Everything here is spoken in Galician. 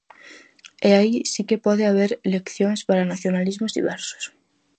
E aí si que pode haber leccións para nacionalismos diversos.